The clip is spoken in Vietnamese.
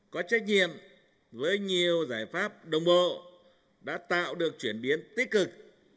có trách nhiệm với nhiều giải pháp đồng bộ đã tạo được chuyển biến tích cực